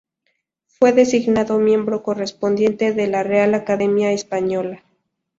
Fue designado miembro correspondiente de la Real Academia Española.